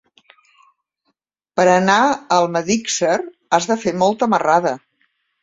Per anar a Almedíxer has de fer molta marrada.